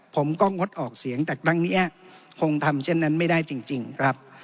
ผมก็งดออกเสียงแต่ครั้งนี้คงทำเช่นนั้นไม่ได้จริงครับ